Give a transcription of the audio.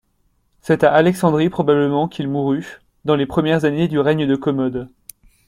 C'est à Alexandrie probablement qu'il mourut, dans les premières années du règne de Commode.